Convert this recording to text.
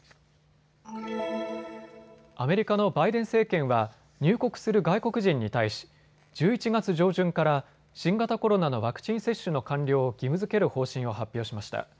アメリカのバイデン政権は入国する外国人に対し１１月上旬から新型コロナのワクチン接種の完了を義務づける方針を発表しました。